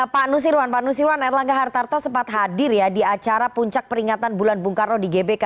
pak nusirwan pak nusirwan erlangga hartarto sempat hadir ya di acara puncak peringatan bulan bung karno di gbk